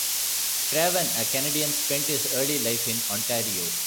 Craven, a Canadian, spent his early life in Ontario.